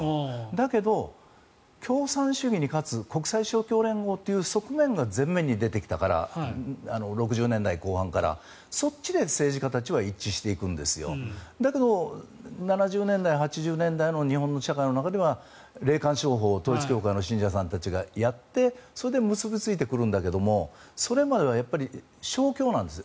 だけど、共産主義に勝つ国際勝共連合という側面が前面に出てきたから６０年代後半から、そっちで政治家たちは一致していくんですだけど、７０年代、８０年代の日本の社会の中では霊感商法統一教会の信者さんたちがやってそれで結びついてくるんだけれどそれまでは勝共なんです。